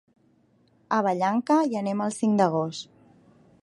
A Vallanca hi anem el cinc d'agost.